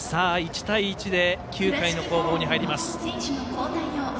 １対１で９回の攻防に入ります。